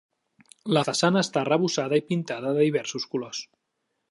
La façana està arrebossada i pintada de diversos colors.